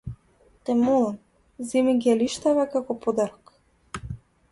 Те молам, земи ги алиштава како подарок.